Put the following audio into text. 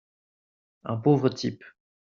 Un pauvre type.